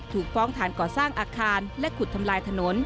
ถูกฟ้องฐานก่อสร้างอาคารและขุดทำลายถนน